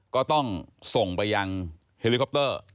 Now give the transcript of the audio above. ก็ต้องส่งไปยังเฮลิคอปเตอร์